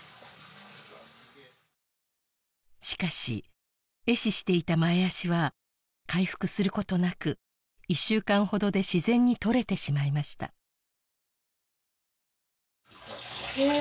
しかし壊死していた前足は回復することなく１週間ほどで自然に取れてしまいましたえー